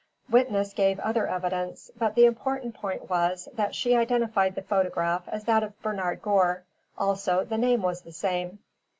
Witness gave other evidence, but the important point was, that she identified the photograph as that of Bernard Gore. Also the name was the same.